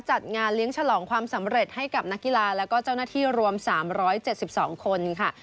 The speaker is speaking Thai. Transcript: จัดงานเลี้ยงฉลองความสำเร็จให้กับนักกีฬาแล้วก็เจ้าหน้าที่รวม๓๗๒คนค่ะ